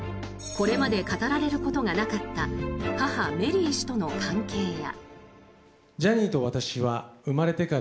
これまで語られることがなかった母・メリー氏との関係や。